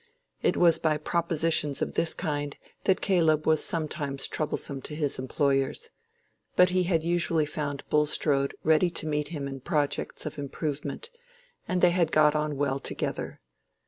It was by propositions of this kind that Caleb was sometimes troublesome to his employers; but he had usually found Bulstrode ready to meet him in projects of improvement, and they had got on well together.